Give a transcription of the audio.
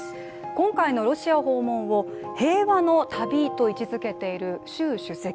今回のロシア訪問を平和の旅と位置づけている習主席。